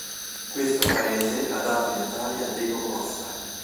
Questo paese ha dato i natali a Diego Costa